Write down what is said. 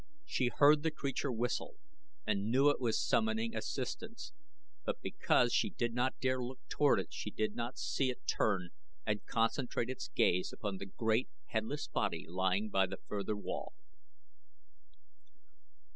She heard the creature whistle and knew that it was summoning assistance, but because she did not dare look toward it she did not see it turn and concentrate its gaze upon the great, headless body lying by the further wall.